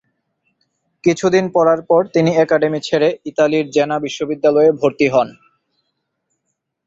কিছুদিন পড়ার পর তিনি অ্যাকাডেমি ছেড়ে ইতালির জেনা বিশ্ববিদ্যালয়ে ভর্তি হন।